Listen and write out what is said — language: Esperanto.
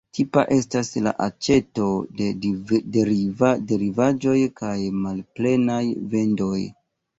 Tipa estas la aĉeto de derivaĵoj kaj malplenaj vendoj.